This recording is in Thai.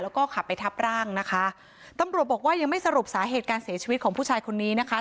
แล้วก็ขับไปทับร่างนะคะตำรวจบอกว่ายังไม่สรุปสาเหตุการเสียชีวิตของผู้ชายคนนี้นะคะ